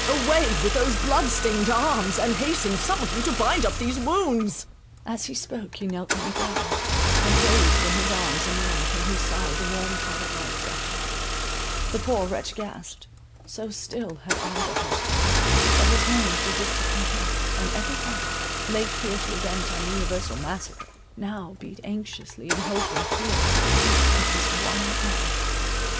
Away with those blood stained arms, and hasten some of you to bind up these wounds." As he spoke, he knelt on the ground, and raised in his arms a man from whose side the warm tide of life gushed—the poor wretch gasped—so still had either host become, that his moans were distinctly heard, and every heart, late fiercely bent on universal massacre, now beat anxiously in hope and fear for the fate of this one man.